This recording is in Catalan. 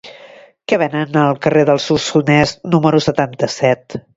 Què venen al carrer del Solsonès número setanta-set?